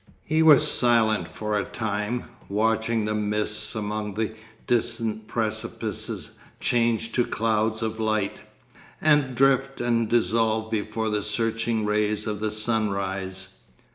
He was silent for a time, watching the mists among the distant precipices change to clouds of light, and drift and dissolve before the searching rays of the sunrise.